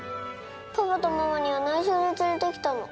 パパとママには内緒で連れてきたの。